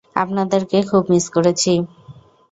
আপনাদেরকে খুব মিস করেছি।